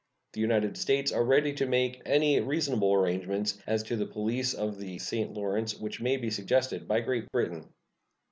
The United States are ready to make any reasonable arrangement as to the police of the St. Lawrence which may be suggested by Great Britain.